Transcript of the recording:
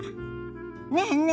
ねえねえ